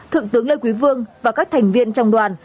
thượng tướng lê quý vương và các thành viên trong đoàn